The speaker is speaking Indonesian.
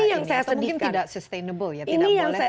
ini yang saya sedihkan